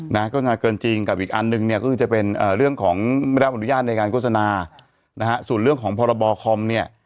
โฆษณาเกินจริงกับอีกอันหนึ่งเนี่ยก็คือจะเป็นเรื่องของไม่ได้รับอนุญาตในการโฆษณานะฮะส่วนเรื่องของพรบคอมเนี่ย